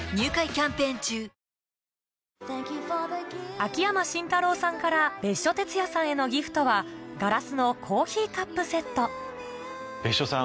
秋山真太郎さんから別所哲也さんへのギフトはガラスのコーヒーカップセット別所さん